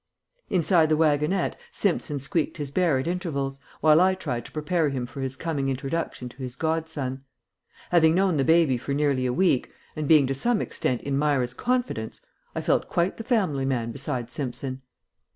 Inside the wagonette Simpson squeaked his bear at intervals, while I tried to prepare him for his coming introduction to his godson. Having known the baby for nearly a week, and being to some extent in Myra's confidence, I felt quite the family man beside Simpson.